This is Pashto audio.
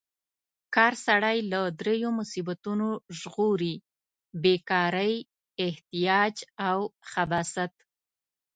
کار سړی له دریو مصیبتونو ژغوري: بې کارۍ، احتیاج او خباثت.